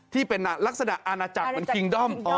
ที่เป็นลักษณะอาณาจักรเหมือนคิงด้อม